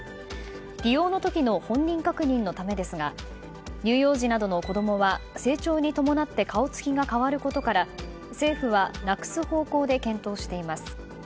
利用の時の本人確認のためですが乳幼児などの子供は成長に伴って顔つきが変わることなどから政府はなくす方向で検討しています。